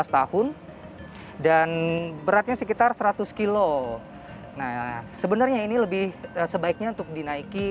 tahun dan beratnya sekitar seratus kilo nah sebenarnya ini lebih sebaiknya untuk dinaiki